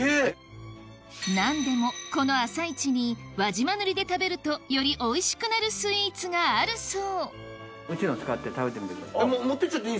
何でもこの朝市に輪島塗で食べるとよりおいしくなるスイーツがあるそう持ってっちゃっていい？